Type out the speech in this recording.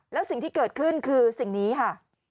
แล้วสิ่งที่เกิดขึ้นคือสิ่งนี้ค่ะ